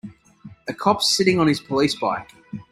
A cop sitting on his police bike.